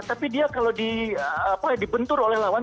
tapi dia kalau dibentur oleh lawan